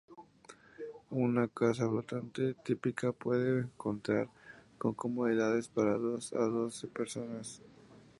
Una casa flotante típica puede contar con comodidades para dos a doce personas.